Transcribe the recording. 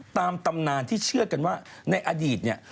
ตำนานที่เชื่อกันว่าในอดีตเนี่ย